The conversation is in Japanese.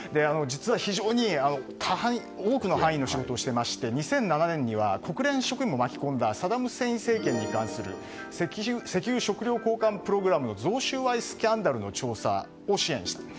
実は非常に多くの範囲の仕事をしていて２００７年には国連も巻き込んだサダム・フセイン政権に関連する石油食料交換プログラムの贈収賄スキャンダルの調査を支援した。